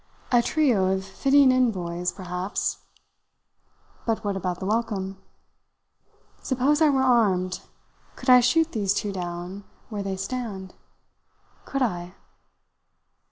A trio of fitting envoys perhaps but what about the welcome? Suppose I were armed, could I shoot these two down where they stand? Could I?"